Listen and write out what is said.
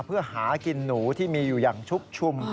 เพื่อหากินหนูที่มีอยู่อย่างชุกชุม